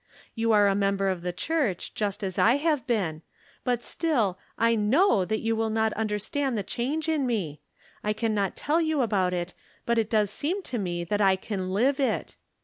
You are a member of the Church, just as I have been ; but still I know that you will not understand the change in me. I can not tell you about it, but it does seem to me that I can live it.